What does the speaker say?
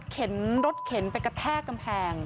รถเข็นไปกระแทกกำแพง